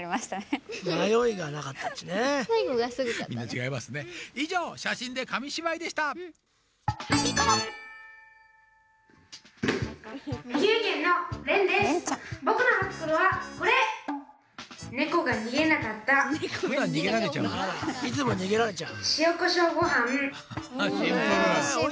あらいつも逃げられちゃう？